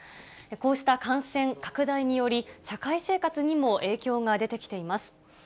こうした感染拡大により、社会生活にも影響が出てきています。